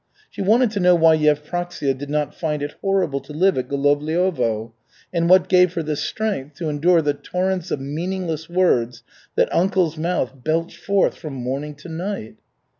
She wanted to know why Yevpraksia did not find it horrible to live at Golovliovo and what gave her the strength to endure the torrents of meaningless words that uncle's mouth belched forth from morning to night.